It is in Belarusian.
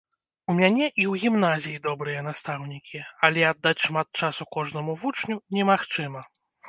У мяне і ў гімназіі добрыя настаўнікі, але аддаць шмат часу кожнаму вучню немагчыма.